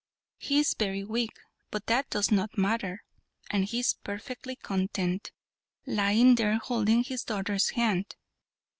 He is very weak, but that does not matter, and he is perfectly content, lying there holding his daughter's hand.